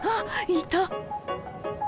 いた！